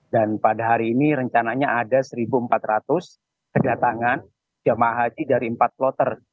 dan pada hari ini rencananya ada satu empat ratus kedatangan jemaah haji dari empat ploter